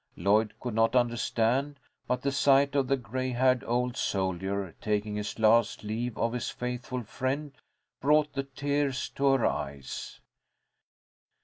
Lloyd could not understand, but the sight of the gray haired old soldier taking his last leave of his faithful friend brought the tears to her eyes.